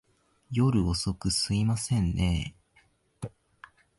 夜遅く、すいませんねぇ。